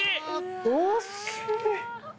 惜しい。